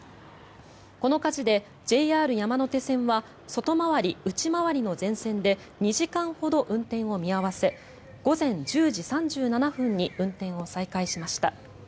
この火事でＪＲ山手線は外回り・内回りの全線で２時間ほど運転を見合わせ午前１０時３７分に運転を再開しました。